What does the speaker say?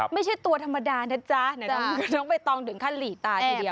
ไม่ใช่ตัวธรรมดานะจ๊ะน้องใบตองถึงขั้นหลีตาทีเดียว